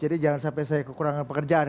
jadi jangan sampai saya kekurangan pekerjaan